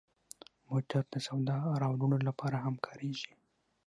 موټر د سودا راوړلو لپاره هم کارېږي.